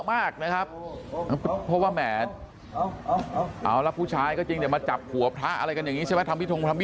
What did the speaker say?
ว่ามันยังไงกันก็ไม่รู้นะครับ